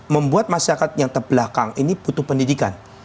membuat masyarakat yang terbelakang ini butuh pendidikan